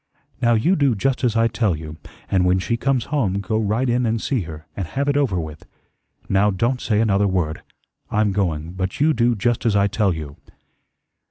"Now you do just as I tell you, and when she comes home, go right in and see her, and have it over with. Now, don't say another word. I'm going; but you do just as I tell you."